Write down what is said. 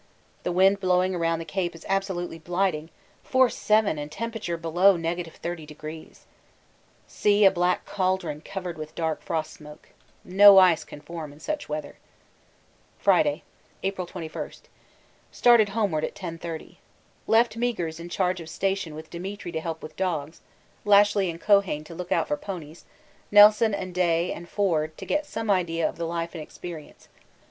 The wind blowing round the Cape is absolutely blighting, force 7 and temperature below 30°. Sea a black cauldron covered with dark frost smoke. No ice can form in such weather. Friday, April 21. Started homeward at 10.30. Left Meares in charge of station with Demetri to help with dogs, Lashly and Keohane to look out for ponies, Nelson and Day and Forde to get some idea of the life and experience.